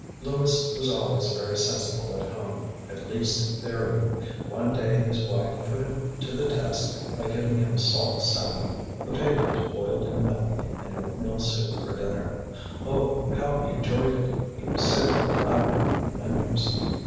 Lewis was always very sensible at home, at least in theory. One day his wife put him to the test by giving him salt salmon, potatoes boiled in milk and oatmeal soup for dinner. Oh! how he enjoyed it! He was sick of elaborate menus.